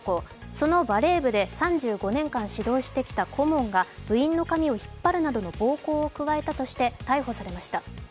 そのバレー部で３５年間指導してきた顧問が部員の髪を引っ張るなどの暴行を加えたとして逮捕されました。